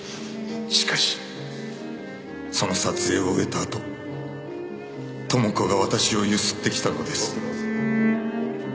しかしその撮影を終えたあと朋子が私を強請ってきたのです。